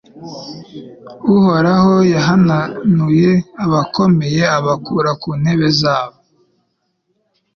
uhoraho yahanantuye abakomeye abakura ku ntebe zabo